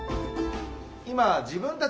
今自分たち